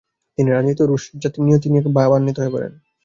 তিনি রাজনীতি ও রুশ জাতির নিয়তি নিয়ে ভাবান্বিত হয়ে পড়েন।